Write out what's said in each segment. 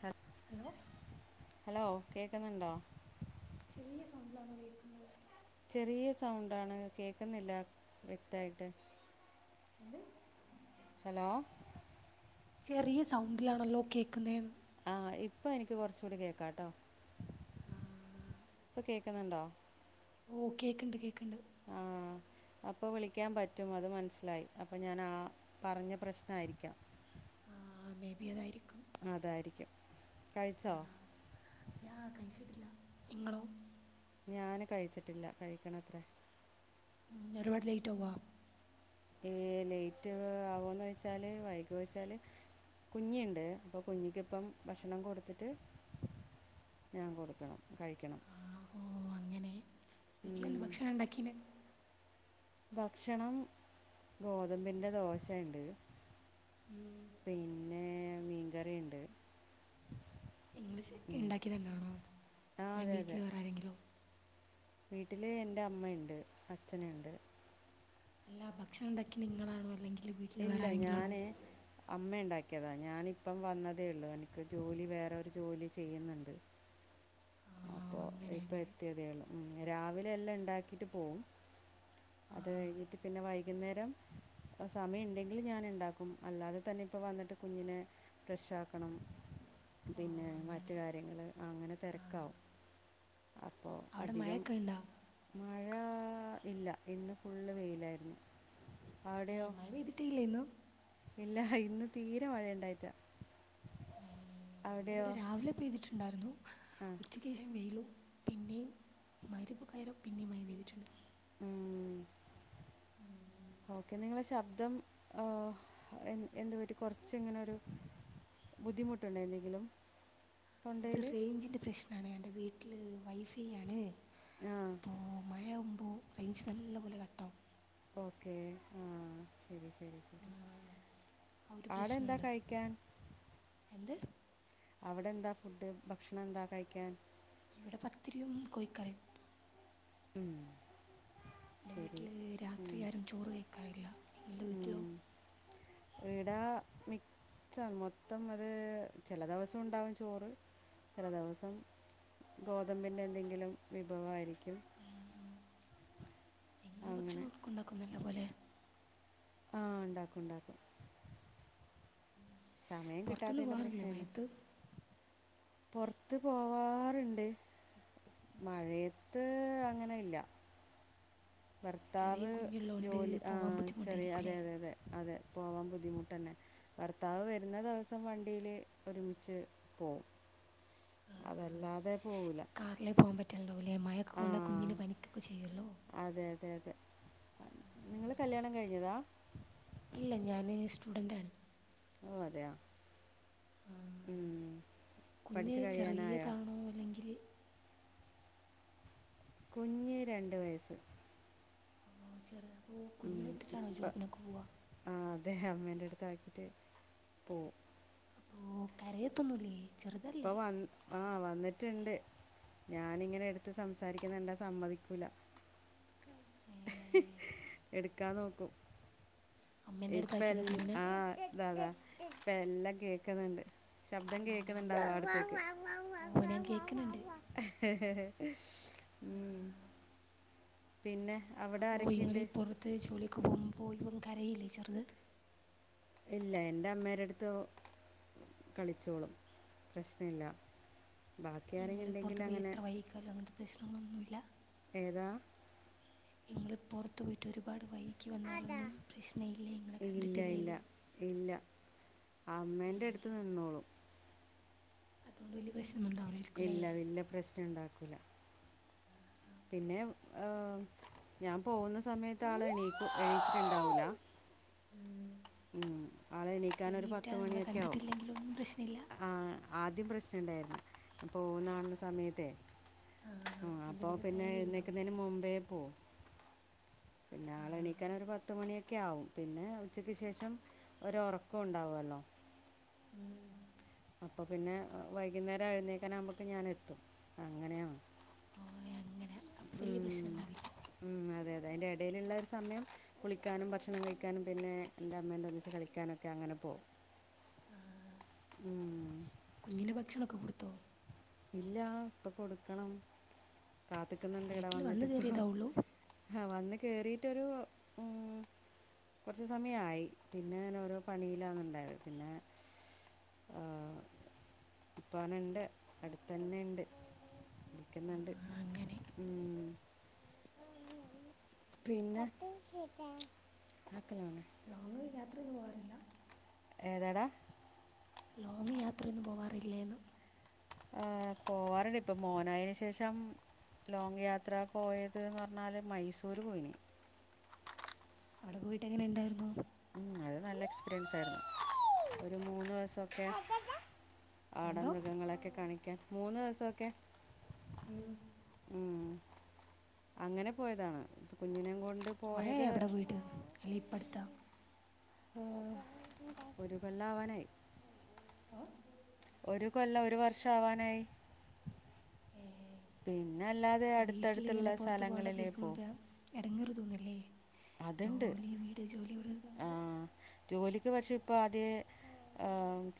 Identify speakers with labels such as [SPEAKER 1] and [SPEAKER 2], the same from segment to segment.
[SPEAKER 1] സത്ത്
[SPEAKER 2] hello
[SPEAKER 1] hello കേക്കുന്നുണ്ടോ
[SPEAKER 2] ചെറിയ സോണ്ടലാണോ കേക്കുന്നത്
[SPEAKER 1] ചെറിയ സൗണ്ടാണ് കേക്കുന്നില്ല വ്യക്തായിട്ട്
[SPEAKER 2] എന്ത്‌
[SPEAKER 1] ഹലോ
[SPEAKER 2] ചെറിയ സൗണ്ടിലാണല്ലോ കേൾക്കുന്നേന്ന്
[SPEAKER 1] ആഹ്‌ ഇപ്പൊ എനിക്ക് കുറച്ചൂടി കേക്കാട്ടോ
[SPEAKER 2] ആ
[SPEAKER 1] ഇപ്പൊ കേക്കുന്നുണ്ടോ
[SPEAKER 2] ഓ കേക്ക്ണ്ട് കേക്ക്ണ്ട്
[SPEAKER 1] ആ അപ്പൊ വിളിക്കാൻ പറ്റും അത് മനസ്സിലായി അപ്പൊ ഞാനാ പറഞ്ഞ പ്രശ്നായിരിക്കാം
[SPEAKER 2] ആഹ് മേ ബി അതായിരിക്കും
[SPEAKER 1] അതായിരിക്കും കഴിച്ചോ
[SPEAKER 2] ല്ല ഇങ്ങളോ
[SPEAKER 1] ഞാൻ കഴിച്ചിട്ടില്ല കഴിക്കണത്രേ
[SPEAKER 2] ഒരുപാട് ലെയിറ്റാവോ
[SPEAKER 1] ലേറ്റ് ആവോന്ന് വെച്ചാല് വൈക വച്ചാല് കുഞ്ഞിണ്ട് അപ്പ കുഞ്ഞിക്കിപ്പം ഭക്ഷണം കൊടുത്തിട്ട് ഞാൻ കൊടുക്കണം കഴിക്കണം
[SPEAKER 2] വീട്ടിലന്ന് ഭക്ഷണം ഉണ്ടാക്കീന്
[SPEAKER 1] ഭക്ഷണം ഗോതമ്പിന്റെ ദോശേണ്ട് പിൻ നേ മീൻകറീണ്ട്
[SPEAKER 2] ഇങ്ങള് ശെരിക്ക്ണ്ടാക്ക്യേതന്നേണോ അല്ലങ്കി വീട്ടിൽ വേറാരെങ്കിലോ
[SPEAKER 1] വീട്ടില് എന്റെ അമ്മയ്ണ്ട് അച്ഛന്ണ്ട്
[SPEAKER 2] അല്ല ഭക്ഷണണ്ടാക്കി നിങ്ങളാണോ അല്ലെങ്കി വീട്ടിൽ വേറെ
[SPEAKER 1] ഇല്ല
[SPEAKER 2] ആരെങ്കിലും
[SPEAKER 1] ഞാൻ
[SPEAKER 2] ആണോ
[SPEAKER 1] അമ്മ ണ്ടാക്കിയതാ ഞാനിപ്പം വന്നതേ ഉള്ളു എനിക്ക് ജോലി വേറൊരു ജോലി ചെയ്യ്ന്ന്ണ്ട്
[SPEAKER 2] ആ
[SPEAKER 1] അപ്പൊ
[SPEAKER 2] അങ്ങനെ
[SPEAKER 1] ഇപ്പ
[SPEAKER 2] അങ്ങനെ
[SPEAKER 1] എത്തിയതേള്ളൂ മ് രാവിലെ എല്ലണ്ടാക്കിട്ട് പോവും അത് കഴിഞ്ഞിട്ട് പിന്നെ വൈകുന്നേരം സമയണ്ടെങ്കില് ഞാന്ണ്ടാക്കും അല്ലാതെ തന്നെപ്പോ വന്നിട്ട് കുഞ്ഞിനെ ഫ്രഷാക്കണം
[SPEAKER 2] ഓ
[SPEAKER 1] പിന്നെ മറ്റ്
[SPEAKER 2] അങ്ങനെ
[SPEAKER 1] കാര്യങ്ങള് അങ്ങനെ തെര ക്കാവും
[SPEAKER 2] അടെ മഴക്കയ്ണ്ടോ
[SPEAKER 1] മഴാ ഇല്ല ഇന്ന് ഫുള്ള് വെയിലായിര്ന്നു ഔടെയോ
[SPEAKER 2] മഴപെയ്തിട്ടില്ലേയിന്നും
[SPEAKER 1] ഇല്ല ഇന്ന് തീരെ മഴണ്ടായിറ്റ
[SPEAKER 2] ഏ
[SPEAKER 1] അവി
[SPEAKER 2] രാവിലെ പെയ്തിട്ട് ണ്ടാർന്നു
[SPEAKER 1] ആ
[SPEAKER 2] ഉച്ചക്കേശം വെയ്ളും പിന്നേം മഹ്രിബോകായേരം പിന്നേ മയ പെയ്തിട്ട്ണ്ട്
[SPEAKER 1] ഉം ഓക്കെ നിങ്ങളെ ശബ്ദം ഹ് ഏ എന്ത് പറ്റി കൊർച്ച്ങ്ങനൊരു ബുദ്ധിമുട്ട്ണ്ടോ എന്തെങ്കിലും
[SPEAKER 2] അത്
[SPEAKER 1] തൊണ്ടയിൽ
[SPEAKER 2] റേഞ്ചിന്റെ പ്രശ്നാണ് എൻ്റെ വീട്ട് ട്ട്ല് വൈഫൈയാണ്
[SPEAKER 1] ആഹ്
[SPEAKER 2] പ്പോ റേഞ്ച് നല്ല പോലെ കട്ടാവും പ്പോ
[SPEAKER 1] ഓക്കേ ആഹ് ശരി ശരി
[SPEAKER 2] ആ
[SPEAKER 1] ശരി
[SPEAKER 2] ആ ഒരു
[SPEAKER 1] ആടെ എന്താ
[SPEAKER 2] പ്രശ്നമുണ്ട്
[SPEAKER 1] കഴിക്കാൻ
[SPEAKER 2] എന്ത്
[SPEAKER 1] അവടെന്താ ഫുഡ്ഡ് ഭക്ഷണെന്താ കഴിക്കാൻ
[SPEAKER 2] ഇവിടെ പത്തിരിയും കോഴിക്കറീം
[SPEAKER 1] ഉം
[SPEAKER 2] എന്റെ
[SPEAKER 1] ശരി
[SPEAKER 2] വീട്ടില് രാത്രി
[SPEAKER 1] ഉം,
[SPEAKER 2] ആരും ചോറ് കഴക്കാറില്ല നിങ്ങൾടെ വീട്ടിലോ
[SPEAKER 1] ഇടാ മിക് സാ മൊത്തം അത് ചെല ദേവസോണ്ടാവും ചോറ് ചെല ദെവസം ഗോതമ്പിൻ്റെ എന്തെങ്കിലും വിഭവായിരിക്കും
[SPEAKER 2] ഇങ്ങള്
[SPEAKER 1] അങ്ങനെ
[SPEAKER 2] ഭക്ഷണം [unintelligible] ഉണ്ടാക്കുന്നല്ല പോലെ
[SPEAKER 1] ആഹ് ണ്ടാക്കും ണ്ടാക്കും
[SPEAKER 2] പൊറത്തൊന്നും പോവാറില്ലേ മയത്ത്
[SPEAKER 1] പൊറത്ത് പോവാറ്ണ്ട് മഴയത്ത് അങ്ങനെ ഇല്ല
[SPEAKER 2] ചെറിയ
[SPEAKER 1] ഭർത്താവ്
[SPEAKER 2] കുഞ്ഞുള്ളതുകൊണ്ട്
[SPEAKER 1] ജോലി
[SPEAKER 2] പോകാൻ
[SPEAKER 1] ആഹ് ചെറിയ അതെ
[SPEAKER 2] ബുദ്ധിമുട്ടായിരിക്കുമല്ലേ
[SPEAKER 1] അതെ അതെ അതെ പോവാൻ ബുദ്ധിമുട്ടന്നെ ഭർത്താവ് വരുന്ന ദിവസം വണ്ടീല് ഒരുമിച്ച് പോവും. അതല്ലാതെ പോവൂല.
[SPEAKER 2] ഉണ്ടവുലെ മയക്കകൊണ്ട കുഞ്ഞിന് പനിക്കൊക്കെ ചെയ്യല്ലോ.
[SPEAKER 1] അതെ അതെ അതെ നിങ്ങള് കല്യാണം കഴിഞ്ഞതാ?
[SPEAKER 2] ഇല്ല ഞാന് സ്റ്റുഡന്റാണ്.
[SPEAKER 1] ഓ അതെയോ?
[SPEAKER 2] ആ
[SPEAKER 1] ഉം.
[SPEAKER 2] കുഞ്ഞ്
[SPEAKER 1] പഠിച്ച് കഴിയാനായോ
[SPEAKER 2] ചെറീയതാണോ അല്ലെങ്കിൽ
[SPEAKER 1] കുഞ്ഞ് രണ്ട് വയസ്സ്.
[SPEAKER 2] ഓ ചെറുതാ
[SPEAKER 1] ഉം ഇപ്പ ആ അദ്ദേഹം എൻ്റെ അടുത്താക്കിയിട്ട് പോവും.
[SPEAKER 2] അപ്പോ കരയത്തൊന്നുല്ലേ? ചെറുതല്ലേ
[SPEAKER 1] ഇപ്പം വന്ന് ആ വന്നിട്ട്ണ്ട് ഞാനിങ്ങനെ എടുത്ത് സംസാരിക്കുന്നത് കണ്ടാ സമ്മതിക്കൂല
[SPEAKER 2] ഏ,
[SPEAKER 1] ഹ് ഹ് എടുക്കാ നോക്കും.
[SPEAKER 2] അമ്മേൻ്റെ
[SPEAKER 1] ഇപ്പ
[SPEAKER 2] അടുത്താക്കിയതാ
[SPEAKER 1] എല്ല
[SPEAKER 2] കുഞ്ഞിനെ
[SPEAKER 1] ആഹ് ഇതാതാ ഇപ്പ എല്ലാം കേക്കുന്നുണ്ട്. ശബ്ദം കേക്കുന്നുണ്ട് അവൻ അടുത്തേക്ക്
[SPEAKER 2] ഓ ഞാൻ കേൾക്കുന്നുണ്ട്
[SPEAKER 1] ഹേ ഹേ ഹേ ഉം പിന്നെ അവിടെ
[SPEAKER 2] അപ്പോ ഇങ്ങൾ
[SPEAKER 1] ആരൊക്കെയുണ്ട്
[SPEAKER 2] ഇപ്പൊറത്ത് ജോലിക്ക് പോവുമ്പോ പോയിവൻ കരയില്ലേ ചെറുത്.
[SPEAKER 1] ഇല്ല എന്റെ അമ്മേടെടുത്ത് കളിച്ചോളും പ്രശ്നഇല്ല. ബാക്കി ആരെങ്കിലും ണ്ടെങ്കിൽ അങ്ങനെ
[SPEAKER 2] പ്രശ്നങ്ങളൊന്നൂല്ല.
[SPEAKER 1] ഏതാ?
[SPEAKER 2] ഇങ്ങൾ പുറത്ത് പോയിട്ട് ഒരുപാട് വൈകി വന്നാലൊന്നും പ്രശ്നമില്ല നിങ്ങളെ
[SPEAKER 1] ഇല്ല
[SPEAKER 2] കണ്ടിട്ടില്ലേൽ
[SPEAKER 1] ഇല്ല ഇല്ല അമ്മേന്റെ അടുത്ത് നിന്നോളും.
[SPEAKER 2] അതുകൊണ്ട് വലിയ പ്രശ്നം
[SPEAKER 1] ഇല്ല വല്ല്യ പ്രശ്നം ഉണ്ടാക്കു ക്കില്ല. പിന്നെ ഏ ഞാൻ പോവുന്ന സമയത്ത് ആള് എണീക്ക് എണീച്ചിട്ടുണ്ടാവൂല
[SPEAKER 2] ഉം [inaudible]
[SPEAKER 1] ഉം അൾ എനീക്കാനരു പത്ത്
[SPEAKER 2] നിങ്ങളെ
[SPEAKER 1] മണിയൊക്കെ ആവും
[SPEAKER 2] കണ്ടിട്ടില്ലെങ്കിലൊന്നും പ്രശ്നമില്ല
[SPEAKER 1] ആ ആദ്യം പ്രശ്നം ഉണ്ടായിരുന്നു പോകുന്ന കാണുന്ന സമയത്തേ ആ അപ്പൊ പിന്നെ എഴുന്നേക്കുന്നതിന് മുൻപേ പോവും. പിന്നെ ആളെണീക്കാൻ ഒരു പത്ത് മണിയൊക്കെ ആവും. പിന്നെ ഉച്ച ക്ക് ശേഷം ഒരൊറക്കം ഉണ്ടാവുവല്ലോ? അപ്പൊപ്പിന്നെ വൈകുന്നേരം എഴുന്നേക്കാനുകുമ്പക്ക് ഞാനെത്തും. അങ്ങനെയാണ്
[SPEAKER 2] ഓ അങ്ങനെ. അപ്പൊ വല്യ പ്രശ്നം
[SPEAKER 1] ഉം.
[SPEAKER 2] ഇണ്ടാവില്ല.
[SPEAKER 1] ഉം, അതെ അതിൻ്റെ എടേല്ള്ളരു സമയം കുളിക്കാനും ഭക്ഷണം കഴിക്കാനും പിന്നെ എൻ്റെ അമ്മേന്റെ ഒന്നിച്ച് കളിക്കാനൊക്കെ അങ്ങനെ പോകും. ഉം.
[SPEAKER 2] കുഞ്ഞിന് ഭക്ഷണം കൊടുത്തോ?
[SPEAKER 1] ഇല്ലാ ഇപ്പൊ കൊടുക്കണം കാത്തിക്കുന്നുണ്ട്
[SPEAKER 2] വീട്ടില് വന്ന് കേറീതാ ഉള്ളു?
[SPEAKER 1] ഹാ വന്ന് കേറീട്ടൊരു ഉം, കൊറച്ച് സമയായി. പിന്നെ ഞാനോരോ പണീലാന്നുണ്ടായത്. പിന്നെ, ഈഹ് ഇപ്പോ അവന്ണ്ട്. അട്ത്തന്നെ ഇണ്ട്. വിളിക്ക്ന്ന്ണ്ട്.
[SPEAKER 2] ആ, അങ്ങനെ
[SPEAKER 1] ഉം. പിന്നെ? ആക്കല്ലാനെ.
[SPEAKER 2] ലോങ് യാത്രയൊന്നും പോവാറില്ല?
[SPEAKER 1] ഏതാടാ?
[SPEAKER 2] നീ യാത്രയൊന്നും പോവാറില്ലേന്ന്?
[SPEAKER 1] ഈഹ് പോവാറ്ണ്ട്. ഇപ്പൊ മോനായേന് ശേഷം ലോങ്ങ്‌ യാത്ര പോയതീന്ന് പറഞ്ഞാല് മൈസൂര് പോയിന്.
[SPEAKER 2] ആടെ പോയിട്ട് എങ്ങനെ ഇണ്ടായിരുന്നു?
[SPEAKER 1] ഉം അത് നല്ല എക്സ്പീരിയൻസായിരുന്നു. ഒരു മൂന്ന് ദിവസൊക്കെ ആട
[SPEAKER 2] എന്തോ
[SPEAKER 1] മൃഗങ്ങളൊക്കെ കാണിക് ക്കെ മൂന്ന് ദിവസൊക്കെ
[SPEAKER 2] ഉം
[SPEAKER 1] ഉം. അങ്ങനെ പോയതാണ്. ഇപ്പൊ കുഞ്ഞിനെയും കൊൺ
[SPEAKER 2] കൊറെയായാ അവിടെ പോയിട്ട്, അല്ലെ ഇപ്പടുത്താ?
[SPEAKER 1] മ്മ് ഒരു കൊല്ലാവാനായി.
[SPEAKER 2] ഓ
[SPEAKER 1] ഒരു കൊല്ലം ഒരു വർഷാവാനായി. പിന്നെ അല്ലാതെ
[SPEAKER 2] അപ്പോൾ വീട്ടിൽ
[SPEAKER 1] അട്ത്തട്ത്ത്ള്ള സ്ഥലങ്ങളിലേ പോവൂ.
[SPEAKER 2] എടങ്ങേറ് തോന്നില്ലേ?
[SPEAKER 1] അത്ണ്ട്.
[SPEAKER 2] ജോലി വീട് ജോലി വീട്
[SPEAKER 1] ആ.
[SPEAKER 2] ആകുമ്പോൾ
[SPEAKER 1] ജോലി എൻക്ക് പക്ഷേ ഇപ്പാദ്യേ ഈഹ്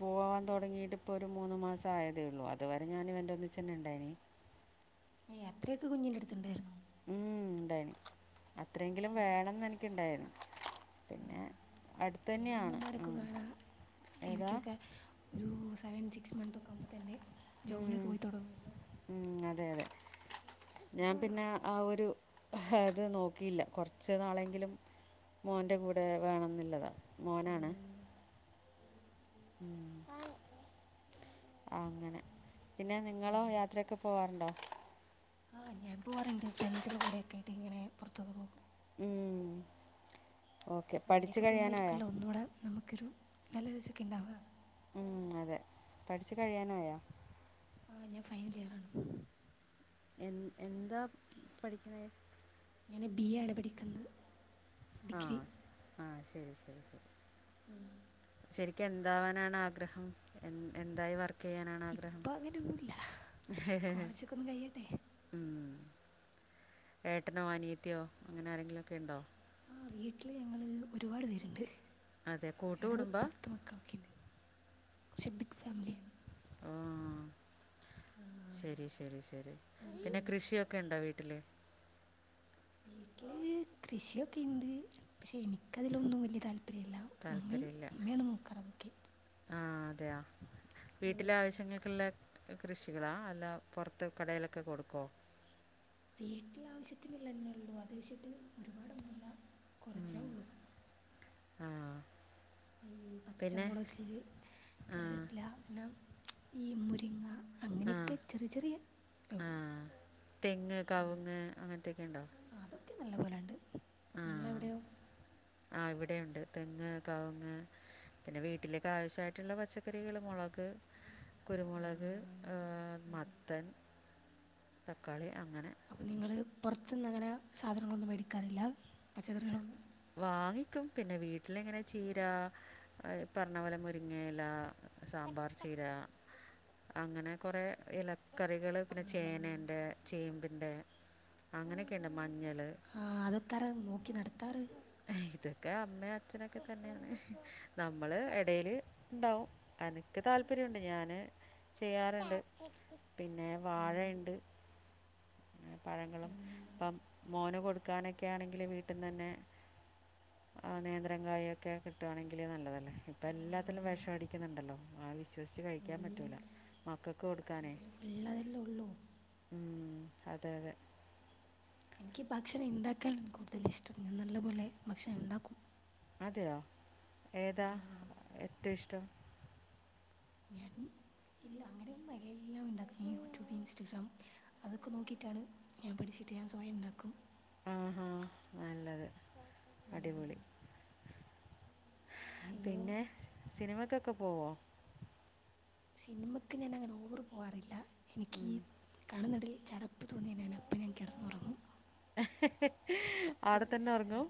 [SPEAKER 1] പോവാൻ തൊടങ്ങീട്ട് ഇപ്പൊ ഒരു മൂന്ന് മാസം ആയതേ ഉള്ളൂ. അതുവരെ ഞാൻ ഇവന്റെ ഒന്നിച്ചെന്നെ ഇണ്ടായിന്
[SPEAKER 2] ഏഹ് അത്രയൊക്കെ കുഞ്ഞിന്റടുത്തുണ്ടായിരുന്നോ?
[SPEAKER 1] ഉം ഇണ്ടായിന്. അത്രയെങ്കിലും വേണംന്ന് എനിക്ക് ഇണ്ടായിരുന്നു. പിന്നെ
[SPEAKER 2] ചില
[SPEAKER 1] അടുത്തന്നെയാണ്.
[SPEAKER 2] അമ്മമാരൊക്കെ
[SPEAKER 1] ഉം
[SPEAKER 2] കാണാം
[SPEAKER 1] ഏതാ?
[SPEAKER 2] ബേബിക്കൊക്കെ ഒരു സെവൻ സിക്സ് മന്ത് ഒക്കെ ആകുമ്പോ തന്നെ ജോബിനൊക്കെ
[SPEAKER 1] ഉം.
[SPEAKER 2] പോയി തൊടങ്ങും.
[SPEAKER 1] ഉം, അതെ അതെ ഞാൻ പിന്നെ ആ ഒരു അത് നോക്കിയില്ല. കൊറച്ച് നാളെങ്കിലും മോന്റെ കൂടെ വേണംന്നുള്ളതാണ്. മോനാണ്? ഉം അങ്ങനെ പിന്നെ നിങ്ങളോ യാത്രയൊക്കെ പോവാറുണ്ടോ?
[SPEAKER 2] ആഹ് ഞാൻ പോവാറുണ്ട് ഫ്രണ്ട്സില്ലൂടെ [unintelligible] ആയിട്ട് എങ്ങനെ പുറത്തേക്ക് പോകും.
[SPEAKER 1] ഉം.
[SPEAKER 2] അങ്ങനെയൊക്കെ പോവുമ്പാരിക്കുവല്ലോ ഒന്നൂടെ നമുക്കൊരു നല്ലരുചിക്കെണ്ടാവ്യാ
[SPEAKER 1] ഉം അതെ പഠിച്ച് കഴിയാനായാ
[SPEAKER 2] ആഹ് ഞാൻ ഫൈൻലിയറാണ്.
[SPEAKER 1] എൻ എന്താ പഠിക്കണേ
[SPEAKER 2] ഞാന് ബി എ ആണ് പഠിക്ക്ന്നത്
[SPEAKER 1] ആഹ് ആഹ് ശെ ഉം [unintelligible]
[SPEAKER 2] ഉം
[SPEAKER 1] ശെരിക്ക് എന്താവാനാണ് ആഗ്രഹം എൻ എന്തായി വർ ക്കെയ്യാനാണ് ആഗ്രഹം
[SPEAKER 2] ഇപ്പം അങ്ങനെയൊന്നുമില്ല കോളേജൊക്കെ ഒന്ന് കഴിയട്ടെ
[SPEAKER 1] ഉം ഏട്ടനോ അനിയത്തിയോ അങ്ങനെ ആരെങ്കിലൊക്കെ ഉണ്ടോ
[SPEAKER 2] ആഹ് വീട്ടില് ഞങ്ങള് ഒരുപാട് പേര്ണ്ട്
[SPEAKER 1] അതെ കൂട്ടുകുടുംബാ
[SPEAKER 2] [unintelligible] ബിഗ് ഫാമിലിയാ
[SPEAKER 1] ശെരി ശെരി ശെരി പിന്നെ കൃഷിയൊക്കെ ഉണ്ടോ വീട്ടില്
[SPEAKER 2] വീട്ടില് കൃഷിയൊക്കെണ്ട് പക്ഷെ എനിക്കതിലൊന്നും വല്യ താൽ
[SPEAKER 1] താല്പര്യുല്ല
[SPEAKER 2] അതൊക്കെ
[SPEAKER 1] ആഹ് അതെയാ വീട്ടിലെ ആവശ്യങ്ങൾക്കെല്ലാ കൃഷികളാ അല്ല പൊറത്ത് കടയിലൊക്കെ കൊടുക്കോ?
[SPEAKER 2] വീട്ടില് ആവശ്യത്തിനുള്ളന്നെ ഒള്ളൂ അത് വെച്ചിട്ട് ഒരുപാടൊന്നുല്ല. കൊറച്ചേ ഒള്ളൂ.
[SPEAKER 1] ആഹ്.
[SPEAKER 2] ഉം പച്ചമുളക്
[SPEAKER 1] ആ
[SPEAKER 2] കറിവേപ്പില പിന്നെ ഈ മുരിങ്ങ
[SPEAKER 1] ആഹ്
[SPEAKER 2] അങ്ങനെയൊക്കെ ചെറിയ ചെറിയ ഇതേ ഉള്ളൂ
[SPEAKER 1] ആഹ് തെങ്ങ്, കവുങ്ങ് അങ്ങനത്തെക്കെ ഇണ്ടോ?
[SPEAKER 2] ക്കെ നല്ല പോലണ്ട്. നിങ്ങളെവിടെയോ
[SPEAKER 1] ആഹ് ഇവിടെയുണ്ട്. തെങ്ങ്, കവുങ്ങ് പിന്നെ വീട്ടിലേക്ക് ആവശ്യായിട്ട്ള്ള പച്ചക്കറികള് മൊളക് കുരുമുളക് ഏഹ് മത്തൻ തക്കാളി അങ്ങനെ
[SPEAKER 2] അപ്പം നിങ്ങള് പുറത്തുന്ന് അങ്ങനെ സാധനങ്ങളൊന്നും മേടിക്കാറില്ല പച്ചക്കറികളൊന്നും
[SPEAKER 1] വാങ്ങിക്കും പിന്നെ വീട്ടിലിങ്ങനെ ചീര പറഞ്ഞപോലെ മുരിങ്ങ ഇല്ല സാമ്പാർ ചീര അങ്ങനെ കൊറെ ഇല്ല കറികള് പിന്നെ ചേനണ്ട് ചേമ്പ് ണ്ട് അങ്ങനെക്കെണ്ട് മഞ്ഞ
[SPEAKER 2] ആഹ് അതൊക്കാര നോക്കി നട ത്താറ്
[SPEAKER 1] ഇതൊക്കെ അമ്മേ അച്ഛനൊക്കെ തന്നെയാണ് നമ്മള് എടേല് ഇണ്ടാവും എനക്ക് താല്പര്യണ്ട് ഞാന് ചെയ്യാറുണ്ട് പിന്നെ വാഴണ്ട് പഴങ്ങളും പ്പം മോന് കൊടുക്കാനൊക്കാണെങ്കില് വീട്ടിന്നന്നെ ആഹ് നേന്ത്രകായൊക്കെ കിട്ടുവാണെങ്കില് നല്ലതല്ലേ ഇപ്പൊ എല്ലാത്തിലും
[SPEAKER 2] അങ്ങനെ
[SPEAKER 1] വിഷമടിക്കുന്ന്ണ്ടല്ലോ ആവശ്യ [unintelligible] കഴിക്കാൻ
[SPEAKER 2] ഉം.
[SPEAKER 1] പറ്റൂല മക്കക്ക് കൊടുക്കാനേ
[SPEAKER 2] ഭക്ഷണത്തിൽ ഫുൾ അതല്ലേ ഉള്ളൂ
[SPEAKER 1] മ്മ് അതെ അതെ
[SPEAKER 2] എനിക്ക് ഭക്ഷണം ഇണ്ടാക്കാൻ കൂടുതല് ഇഷ്ടം ഞാൻ നല്ല പോലെ ഭക്ഷണം ഇണ്ടാക്കും
[SPEAKER 1] തെയോ ഏതാ എറ്റഷ് റ്റും
[SPEAKER 2] ഞാൻ ഇല്ല അങ്ങനെയൊന്നുംമെല്ലാം ഇണ്ടാക്കല് യൂട്യൂബ് ഇൻസ്റ്റഗ്രാം അതൊക്കെ നോക്കിയിട്ടാണ് ഞാൻ പഠിച്ചിട്ട് ഞാൻ സ്വയം ഉണ്ടാക്കും
[SPEAKER 1] ആഹാ നല്ലത് അടിപൊളി
[SPEAKER 2] നിങ്ങളോ
[SPEAKER 1] പിന്നെ സിനിമക്ക് ക്ക് പോവൊ
[SPEAKER 2] സിനിമക്ക് ഞാനങ്ങനെ ഓവറ് പോവാറില്ല എനിക്കീ കാണ്ന്നതിൽ ചടപ്പ് തോന്നി ഞാനപ്പം ഞാൻ കെടന്നൊറങ്ങും
[SPEAKER 1] ആടെ തന്നെ
[SPEAKER 2] പ്രശ്നമാണ്
[SPEAKER 1] ഒറങ്ങും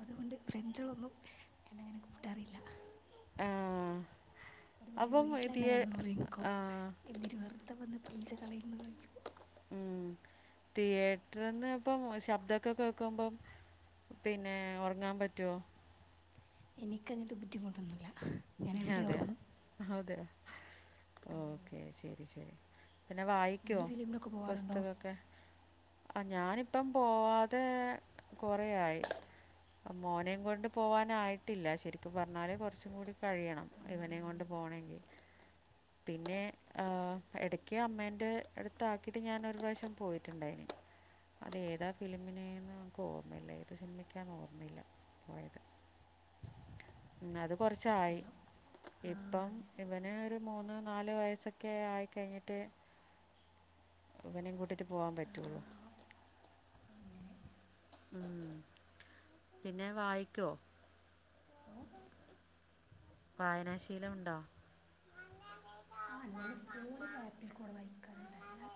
[SPEAKER 2] അതുകൊണ്ട് ഫ്രൺസുകളൊന്നും എന്നങ്ങനെ കൂട്ടാറില്ല
[SPEAKER 1] ആ,
[SPEAKER 2] ഓര് പറയും
[SPEAKER 1] അപ്പം
[SPEAKER 2] വീട്ടിലന്നെ
[SPEAKER 1] തിയേ
[SPEAKER 2] കെടന്നുറങ്ങിക്കോ എന്തിന് വെറുതെ വന്ന് പൈസ കളയുന്നത്
[SPEAKER 1] ഉം തിയേറ്റർന്നപ്പം ശബ്ദൊക്കെ കേക്കുമ്പം പിന്നെ ഒറങ്ങാൻ പറ്റുവോ
[SPEAKER 2] എനിക്കങ്ങത്തെ ബുദ്ധിമുട്ടൊന്നുല്ല
[SPEAKER 1] ഹതയ ഹത് ഓക്കെ ശരി ശരി പിന്നെ വായിക്കൊ
[SPEAKER 2] നിങ്ങൾ ഫിലിമിനൊക്കെ പോവാറുണ്ടോ
[SPEAKER 1] പുസ്തകൊക്കെ അ ഞാനിപ്പം പോവാതെ കൊറെയായി മോനെയും കൊണ്ട് പോവാനായിട്ടില്ല ശരിക്കും പറഞ്ഞാല് കൊറച്ചും കൂടി കഴിയണം ഇവനെയും കൊണ്ട് പോണെങ്കിൽ പിന്നെ ആഹ് എടക്ക് അമ്മേന്റെ അടുത്താക്കിട്ട് ഞാൻ ഒരു പ്രാവശ്യം പോയിട്ടുണ്ടായിന് അതേതാ ഫിലിമിനേന്ന് ക്ക് ഓർമ്മയില്ല ഏത് സിനിമയ്ക്കാന്ന് ഓർമ്മയില്ല പോയത് മ് അത് കൊറച്ചായി
[SPEAKER 2] അല്ലോ ആ
[SPEAKER 1] ഇപ്പം ഇവന് ഒരു മൂന്ന് നാല് വയസ്സൊക്കെ ആയിക്കഴിഞ്ഞിട്ട് ഇവനും കൂട്ടിട്ട് പോവാൻ പറ്റുള്ളു
[SPEAKER 2] അങ്ങനെ ആ അങ്ങനെ
[SPEAKER 1] മ് പിന്നെ വായിക്കോ
[SPEAKER 2] ഓ
[SPEAKER 1] വായനാശീലമുണ്ടോ?
[SPEAKER 2] ആ ഞാന് ഫോണില് ആപ്പിൽ കൂടെ വായിക്കാറ്ണ്ട് അല്ലാ